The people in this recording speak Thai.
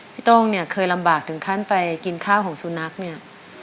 โต้งเนี่ยเคยลำบากถึงขั้นไปกินข้าวของสุนัขเนี่ย